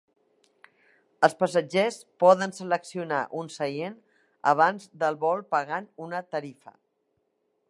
Els passatgers poden seleccionar un seient abans del vol pagant una tarifa.